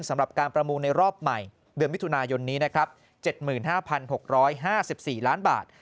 สำหรับการประมูลในรอบใหม่เดือนมิถุนายนนี้นะครับ๗๕๖๕๔ล้านบาท